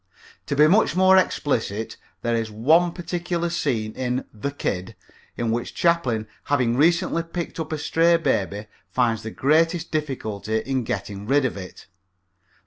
To be much more explicit, there is one particular scene in The Kid in which Chaplin having recently picked up a stray baby finds the greatest difficulty in getting rid of it.